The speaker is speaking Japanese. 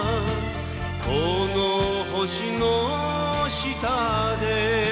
「この星の下で」